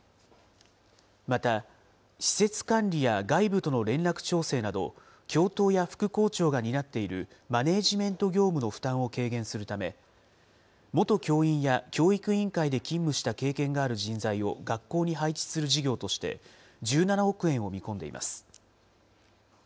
また、施設管理や外部との連絡調整など、教頭や副校長が担っているマネージメント業務の負担を軽減するため、元教員や教育委員会で勤務した経験がある人材を学校に配置する事業として、１７億円を見込んでいます。